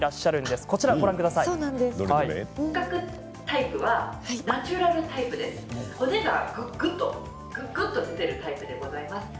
骨が、ぐっぐっとぐっぐっと出ているタイプでございます。